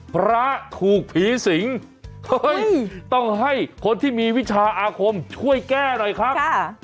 พระถูกผีสิงต้องให้คนที่มีวิชาอาคมช่วยแก้หน่อยครับ